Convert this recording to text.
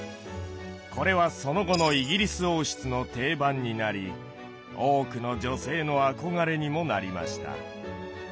これはその後のイギリス王室の定番になり多くの女性の憧れにもなりました。